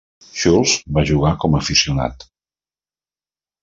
Schultz va jugar com aficionat.